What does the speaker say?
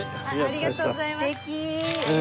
ありがとうございます。